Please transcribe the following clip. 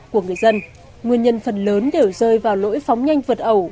cho dân dân nguyên nhân phần lớn đều rơi vào lỗi phóng nhanh vượt ẩu